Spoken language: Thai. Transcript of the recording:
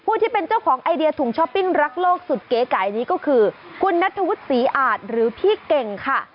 ที่เป็นเจ้าของไอเดียถุงช้อปปิ้งรักโลกสุดเก๋ไก่นี้ก็คือคุณนัทธวุฒิศรีอาจหรือพี่เก่งค่ะ